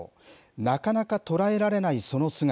なかなか捉えられないその姿。